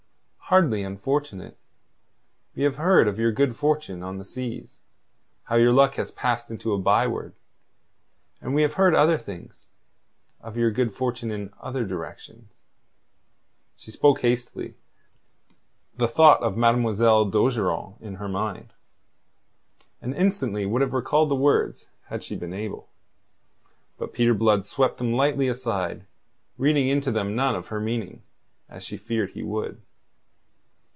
"Hardly unfortunate. We have heard of your good fortune on the seas how your luck has passed into a byword. And we have heard other things: of your good fortune in other directions." She spoke hastily, the thought of Mademoiselle d'Ogeron in her mind. And instantly would have recalled the words had she been able. But Peter Blood swept them lightly aside, reading into them none of her meaning, as she feared he would.